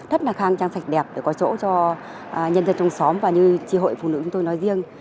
rất là khang trang sạch đẹp để có chỗ cho nhân dân trong xóm và như tri hội phụ nữ chúng tôi nói riêng